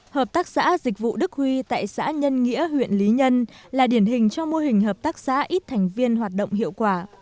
hợp tác xã dịch vụ đức huy tại xã nhân nghĩa huyện lý nhân là điển hình trong mô hình hợp tác xã ít thành viên hoạt động hiệu quả